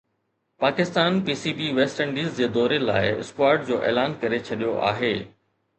Pakistan P C B West Indies جي دوري لاءِ اسڪواڊ جو اعلان ڪري ڇڏيو آهي